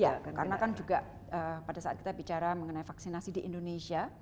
iya karena kan juga pada saat kita bicara mengenai vaksinasi di indonesia